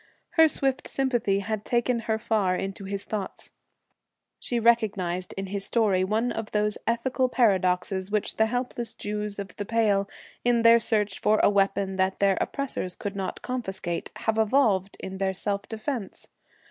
Her swift sympathy had taken her far into his thoughts. She recognized in his story one of those ethical paradoxes which the helpless Jews of the Pale, in their search for a weapon that their oppressors could not confiscate, have evolved for their self defence.